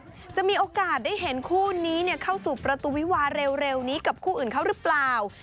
จะมีโอกาสได้เห็นคู่นี้เข้าสู่ประตูวิวาเร็วนี้กับคู่อื่นเขาหรือเปล่า